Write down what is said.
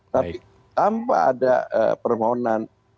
tapi tanpa ada permohonan